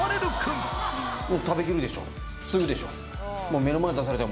もう食べきるでしょすぐでしょ